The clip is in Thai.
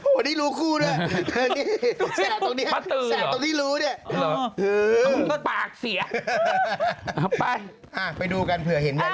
โอ้โหไม่ได้พูดหรอโอ้โหนี่รู้คู่ด้วย